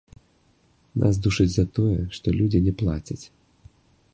Нас душаць за тое, што людзі не плацяць.